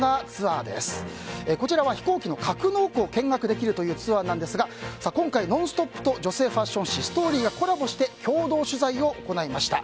こちらは飛行機の格納庫を見学できるというツアーですが今回、「ノンストップ！」と女性ファッション誌「ＳＴＯＲＹ」がコラボして共同取材を行いました。